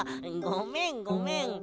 ごめんごめん。